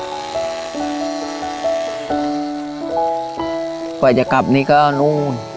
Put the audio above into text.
กว่าจะกลับนี่ก็นู่น